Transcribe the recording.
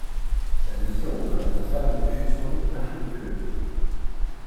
Sa mission auprès de ma femme fut sans doute infructueuse.